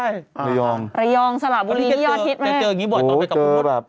ใช่ระยองสละบุรียอดฮิตไหมโอ้โฮเจอแบบ